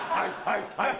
はいはい！